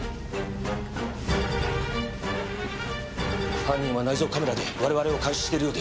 犯人は内蔵カメラで我々を監視しているようです。